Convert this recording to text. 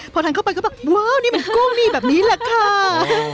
พอทานเข้าไปก็แบบว้าวนี่มันกุ้งมีแบบนี้แหละค่ะ